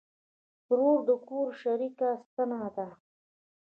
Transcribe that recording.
ورور د کور شریکه ستنه ده.